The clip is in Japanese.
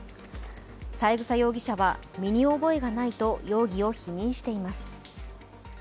三枝容疑者は身に覚えがないと容疑を否認しています。